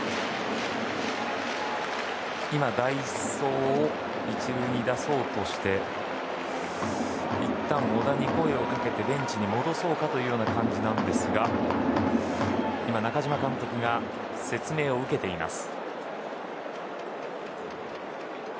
今、代走を１塁に出そうとして小田にいったん声をかけてベンチに戻そうかという感じですが中嶋監督が説明を受けています。